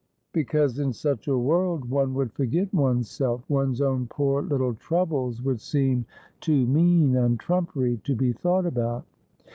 ' Because ia such a world one would forget oneself. One's own poor little troubles would seem too mean and trumpery to be thought about.'